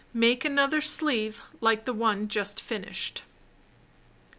Make another sleeve like the one just finished.